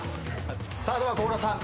さあでは強羅さん